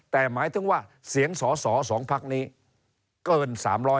แต่หมายถึงว่าเสียงสอสอ๒พักนี้เกิน๓๐๐